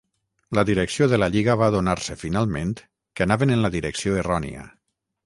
La direcció de la lliga va adonar-se finalment que anaven en la direcció errònia.